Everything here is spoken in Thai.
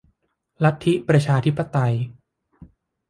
ลัทธิประชาธิปไตย